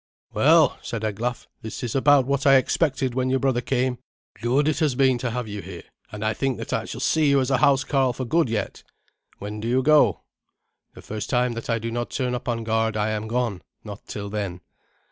"Well," said Eglaf, "this is about what I expected when your brother came. Good it has been to have you here; and I think that I shall see you as a housecarl for good yet. When do you go?" "The first time that I do not turn up on guard I am gone, not till then."